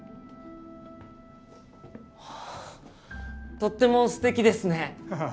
とってもすてきですね。